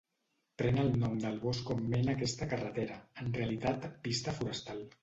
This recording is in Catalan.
Pren el nom del bosc on mena aquesta carretera, en realitat pista forestal.